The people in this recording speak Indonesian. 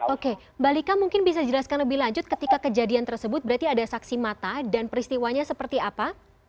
oke mbak lika mungkin bisa dijelaskan lebih lanjut ketika kejadian tersebut berarti ada saksi mata dan peristiwanya seperti apa